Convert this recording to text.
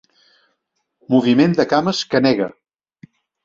Moviment de cames que nega.